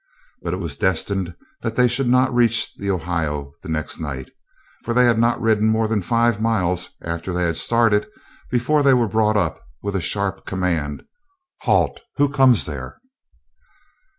But it was destined that they should not reach the Ohio the next night, for they had not ridden more than five miles after they had started before they were brought up with the sharp command: "Halt! Who comes there?"